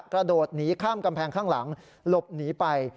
กระโดดหนีข้ามกำแพงข้างหลังหลบหนีไป